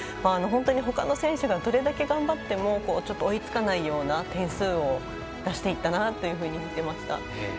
ほかの選手がどれだけ頑張っても追いつかないような点数を出していたなというふうに見ていました。